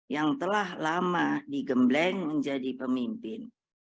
yang telah lama digembleng menjadi pemimpin